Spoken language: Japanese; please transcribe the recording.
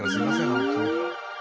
本当に。